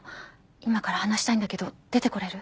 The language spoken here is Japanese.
今から話したいんだけど出てこれる？